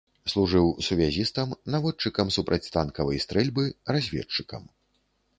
Служыў сувязістам, наводчыкам супрацьтанкавай стрэльбы, разведчыкам.